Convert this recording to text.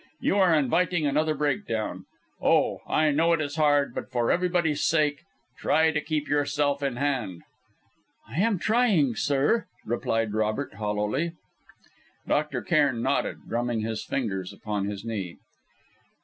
You are inviting another breakdown. Oh! I know it is hard; but for everybody's sake try to keep yourself in hand." "I am trying, sir," replied Robert hollowly. Dr. Cairn nodded, drumming his fingers upon his knee.